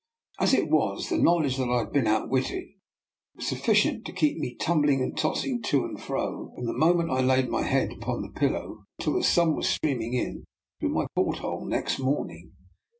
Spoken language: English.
As it was, the knowledge that I had been outwitted was sufficient to keep me tumbling and tossing to and fro, from the moment I laid my head upon the pillow until the sun was streaming in through my port hole next morning.